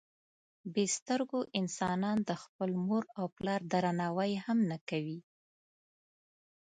بې سترګو انسانان د خپل مور او پلار درناوی هم نه کوي.